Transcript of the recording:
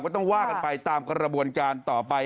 ต้องว่ากันไปตามกระบวนการต่อไป